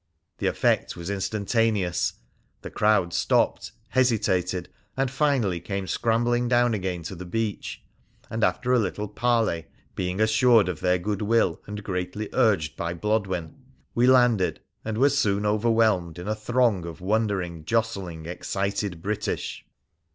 The effect was instantaneous. The crowd stopped, hesitated, and finally came scrambling down again to the beach ; and after a little parley, being assured of their goodwill and greatly urged by Blodwen, we landed, and were soon over whelmed in a throng of wondering, jostling, excited British.